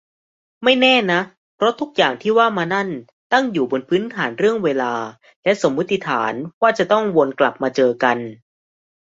ไม่แน่นะ เพราะทุกอย่างที่ว่ามานั่น ตั้งอยู่บนพื้นฐานเรื่องเวลา และสมมติฐานว่าจะต้องวนกลับมาเจอกัน